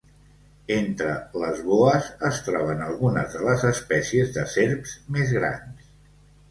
Entre les boes es troben algunes de les espècies de serps més grans.